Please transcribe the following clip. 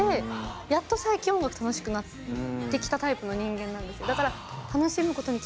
やっと最近音楽楽しくなってきたタイプの人間なんです。